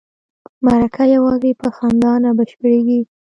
مرکه یوازې په خندا نه بشپړیږي.